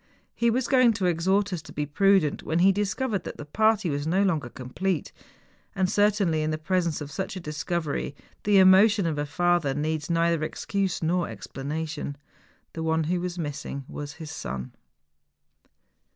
He was going to exhort us to be prudent, when he discovered that the party was no longer complete. And certainly, in presence of such a discovery, the emotion of a father needs neither excuse nor explanation. The one who was missing was his son